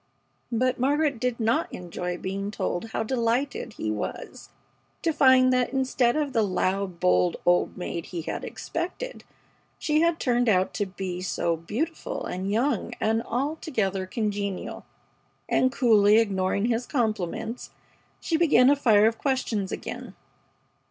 But Margaret did not enjoy being told how delighted he was to find that instead of the loud, bold "old maid" he had expected, she had turned out to be "so beautiful and young and altogether congenial"; and, coolly ignoring his compliments, she began a fire of questions again.